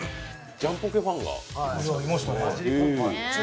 ジャンポケファンがいましたね。